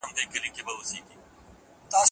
د سولې سفیران اوسئ.